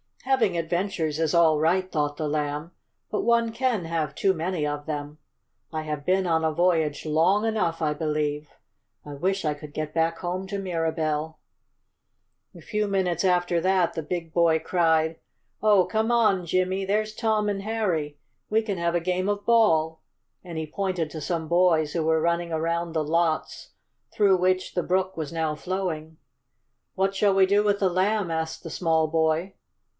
"Having adventures is all right," thought the Lamb, "but one can have too many of them. I have been on a voyage long enough, I believe. I wish I could get back home to Mirabell." A few minutes after that the big boy cried: "Oh, come on, Jimmie! There's Tom and Harry! We can have a game of ball," and he pointed to some boys who were running around the lots, through which the brook was now flowing. "What shall we do with the Lamb?" asked the small boy.